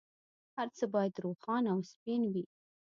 هر څه باید روښانه او سپین وي.